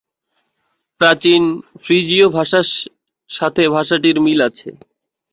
প্রাচীন ফ্রিজীয় ভাষার সাথে ভাষাটির মিল আছে।